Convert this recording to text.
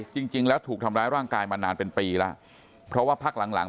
จริงแล้วถูกทำร้ายร่างกายมานานเป็นปีแล้วเพราะว่าพักหลังหลัง